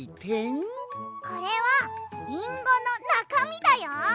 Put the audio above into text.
これはリンゴのなかみだよ！